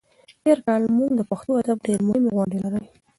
تېر کال موږ د پښتو ادب ډېرې مهمې غونډې لرلې.